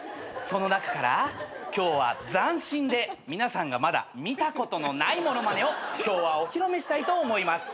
その中から今日は斬新で皆さんがまだ見たことのないモノマネを今日はお披露目したいと思います。